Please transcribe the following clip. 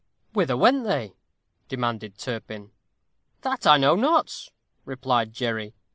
"Whither went they?" demanded Turpin. "That I know not," replied Jerry.